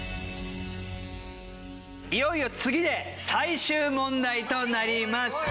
いよいよ次で最終問題となります。